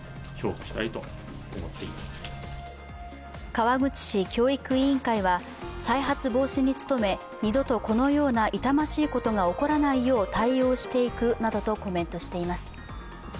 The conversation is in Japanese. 川口市教育委員会は再発防止に努め、二度とこのような痛ましいことが起こらないよう対応していくなどとコメントしています。